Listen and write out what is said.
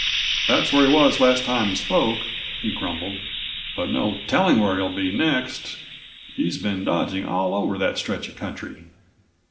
"That's where he was, last time he spoke," he grumbled, "but no telling where he'll be next. He's been dodging all over that stretch of country."